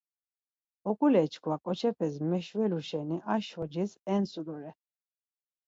Oǩule çkva ǩoçepes meşvelu şeni aşvacis entsu doren.